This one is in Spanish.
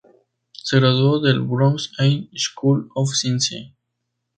Se graduó del Bronx High School of Science.